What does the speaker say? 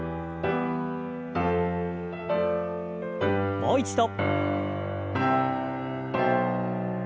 もう一度。